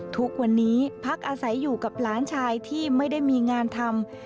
ทุกวันนี้พักอาศัยอยู่กับหลานชายที่ไม่ได้มีงานทำ